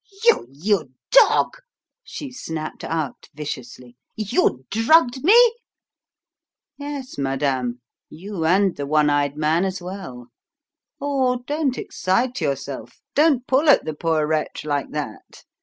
"You you dog!" she snapped out viciously. "You drugged me?" "Yes, madame; you and the one eyed man as well! Oh, don't excite yourself don't pull at the poor wretch like that.